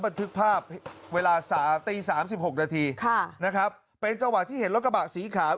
บันทึกภาพเวลาสามตีสามสิบหกนาทีค่ะนะครับเป็นจังหวะที่เห็นรถกระบะสีขาว